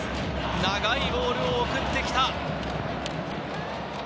長いボールを送ってきた！